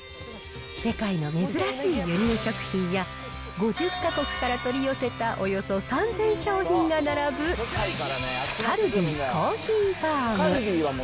世界の珍しい輸入食品や、５０か国から取り寄せたおよそ３０００商品が並ぶカルディコーヒーファーム。